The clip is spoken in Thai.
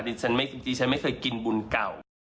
จริงฉันไม่เคยกินบุญเก่า